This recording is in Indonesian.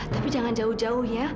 tapi jangan jauh jauh ya